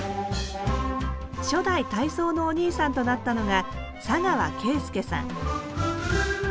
初代体操のお兄さんとなったのが砂川啓介さん